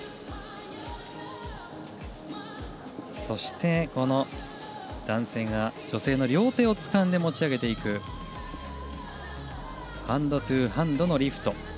そして男性が女性の両手をつかんで持ち上げていくハンドトゥハンドのリフト